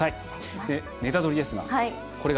「ネタドリ！」ですが。